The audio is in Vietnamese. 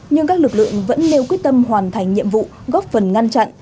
nhưng các lực lượng vẫn nêu quyết tâm hoàn thành nhiệm vụ góp phần ngăn chặn